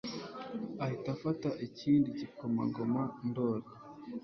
ahita afata ikindi gikomangoma Ndoli